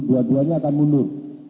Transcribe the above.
dua duanya akan mundur